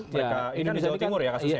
mereka indonesia jawa timur ya kasusnya ya